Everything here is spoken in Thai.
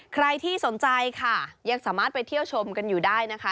ใครที่สนใจค่ะยังสามารถไปเที่ยวชมกันอยู่ได้นะคะ